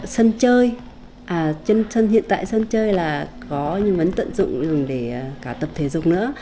sân chơi hiện tại sân chơi là có nhưng vẫn tận dụng để cả tập thể dục nữa